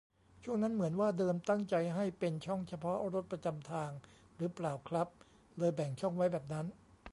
ช่วงนั้นเหมือนว่าเดิมตั้งใจให้เป็นช่องเฉพาะรถประจำทางหรือเปล่าครับ เลยแบ่งช่องไว้แบบนั้น